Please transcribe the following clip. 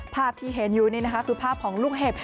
ภาพที่เห็นอยู่นี่นะคะคือภาพของลูกเห็บ